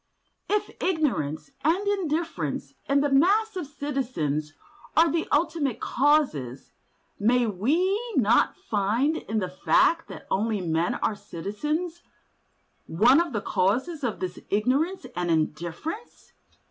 If ignorance and indifference in the mass of citizens are the ultimate causes, may we not find in the fact that only men are citizens one of the causes of this ignorance and indifference?